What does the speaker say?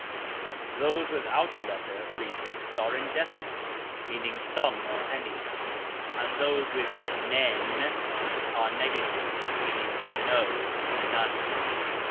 Those without a letter prefixed are "indefinite", meaning some or any; and those with "nen " are "negative", meaning "no, none".